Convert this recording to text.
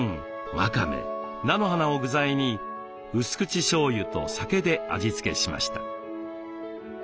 わかめ菜の花を具材にうす口しょうゆと酒で味付けしました。